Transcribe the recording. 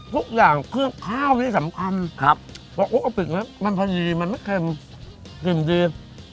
ทุกอย่างเพื่อข้าวที่สำคัญครับมันมันไม่เค็มกินดี